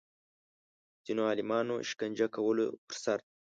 ځینو عالمانو شکنجه کولو پر سر